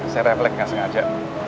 saya refleks gak sengaja